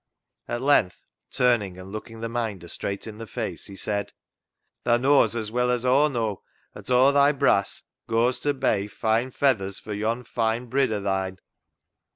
At length, turning and looking the Minder straight in the face, he said —" Tha knaws as weel as Aw knaw at aw thy brass goas ta bey foine feathers for yon foine brid o' thine."